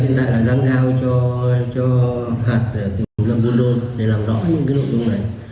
hiện tại là đang giao cho hạt kiểm lâm bôn đôn để làm rõ những nội dung này